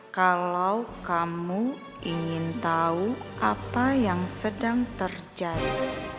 kalau kamu ingin tahu apa yang sedang terjadi